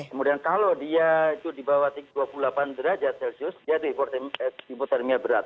kemudian kalau dia itu di bawah dua puluh delapan derajat celcius dia hipotermia berat